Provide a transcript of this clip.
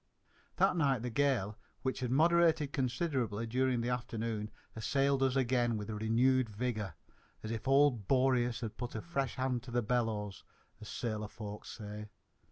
That night the gale, which had moderated considerably during the afternoon, assailed us again with renewed vigour, as if old Boreas had put a fresh hand to the bellows, as sailor folk say.